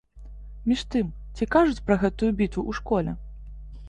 Між тым, ці кажуць пра гэтую бітву ў школе?